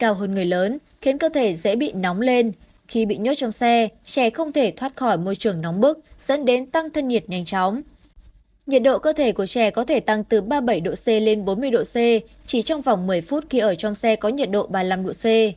nhiệt độ cơ thể của trẻ có thể tăng từ ba mươi bảy độ c lên bốn mươi độ c chỉ trong vòng một mươi phút khi ở trong xe có nhiệt độ ba mươi năm độ c